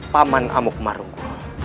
paman amuk marunggu